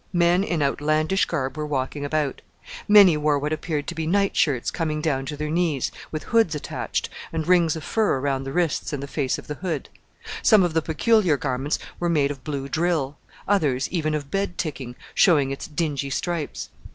Men in outlandish garb were walking about; many wore what appeared to be night shirts coming down to their knees, with hoods attached, and rings of fur around the wrists and the face of the hood. Some of the peculiar garments were made of blue drill, others even of bed ticking, showing its dingy stripes.